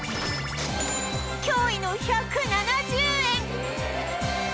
驚異の１７０円